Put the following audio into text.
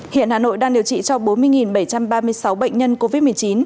hiện hà nội đang điều trị cho bốn mươi bảy trăm ba mươi sáu bệnh nhân covid một mươi chín